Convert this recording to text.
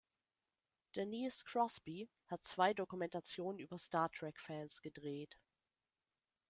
Denise Crosby hat zwei Dokumentationen über Star-Trek-Fans gedreht.